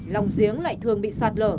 lòng giếng lại thường bị sạt lở